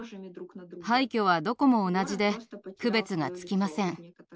廃虚はどこも同じで区別がつきません。